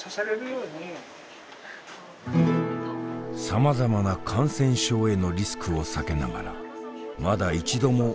さまざまな感染症へのリスクを避けながらまだ一度も会えていない